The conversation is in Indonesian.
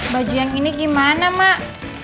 baju yang ini gimana mak